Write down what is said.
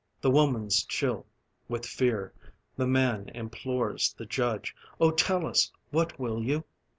The woman's chill with fear. The man Implores the judge: "Oh tell us, What will you?